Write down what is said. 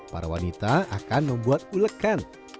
para wanita akan membuat ulekan